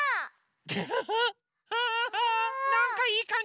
フフフなんかいいかんじ。